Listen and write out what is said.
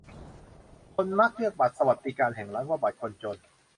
คนมักเรียกบัตรสวัสดิการแห่งรัฐว่าบัตรคนจน